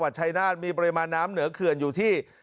ชายนาฏมีปริมาณน้ำเหนือเขื่อนอยู่ที่